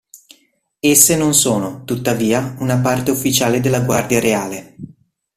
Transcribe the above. Esse non sono, tuttavia, una parte ufficiale della Guardia Reale.